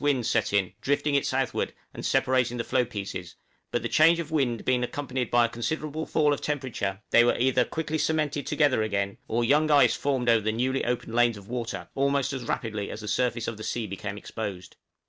winds set in, drifting it southward, and separating the floe pieces; but the change of wind being accompanied by a considerable fall of temperature, they were either quickly cemented together again, or young ice formed over the newly opened lanes of water, almost as rapidly as the surface of the sea became exposed.